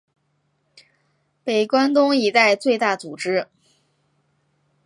北关东一带最大组织。